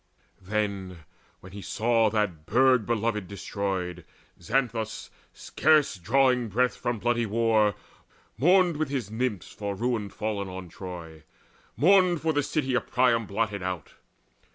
Then, when he saw that burg beloved destroyed, Xanthus, scarce drawing breath from bloody war, Mourned with his Nymphs for ruin fallen on Troy, Mourned for the city of Priam blotted out.